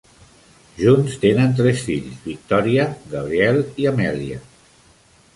Junts, tenen tres fills: Victoria, Gabriel i Amelia.